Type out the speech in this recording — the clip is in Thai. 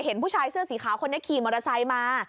เห็นผู้ชายเสื้อสีขาวคนนี้ขี่มอเตอร์ไซค์มา